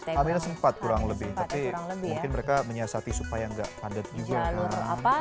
hamines empat kurang lebih tapi mungkin mereka menyiasati supaya nggak pandet juga